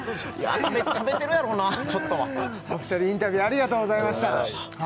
食べてるやろなちょっとはお二人インタビューありがとうございました